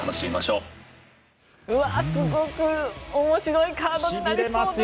うわ、すごく面白いカードになりそうですね。